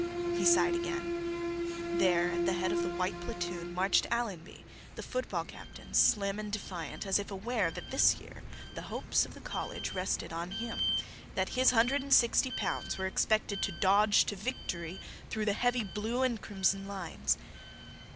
He sighed eagerly. There at the head of the white platoon marched Allenby, the football captain, slim and defiant, as if aware that this year the hopes of the college rested on him, that his hundred and sixty pounds were expected to dodge to victory through the heavy blue and crimson lines.